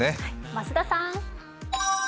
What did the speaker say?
増田さん。